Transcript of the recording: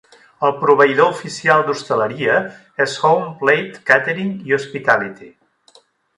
El proveïdor oficial d'hostaleria és HomePlate Catering i Hospitality.